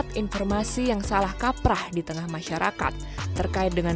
yang sedang dalam program menurunkan berat badan